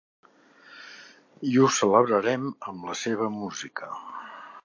I ho celebrarem amb la seva música.